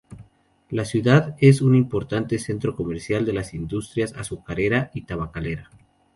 La ciudad es un importante centro comercial de las industrias azucarera y tabacalera.